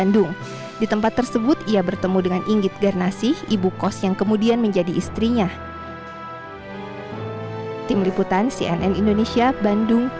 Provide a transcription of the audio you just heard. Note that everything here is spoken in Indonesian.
di tempat tersebut ia bertemu dengan inggit garnasih ibu kos yang kemudian menjadi istrinya